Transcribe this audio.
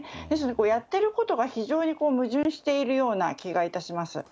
ですので、やってることが非常に矛盾しているような気がいたします。